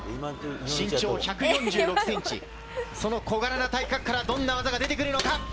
身長１４６センチ、その小柄な体格から、どんな技が出てくるのか。